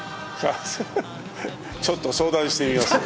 ちょっと相談してみます。